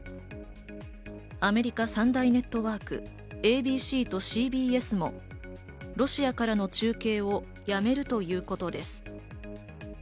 アメリカ３大ネットワーク、ＡＢＣとＣＢＳもロシアからの中継をやめるということです。